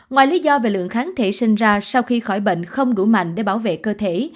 ngoài lý do về lượng kháng thể sinh ra sau khi khỏi bệnh không đủ mạnh để bảo vệ cơ thể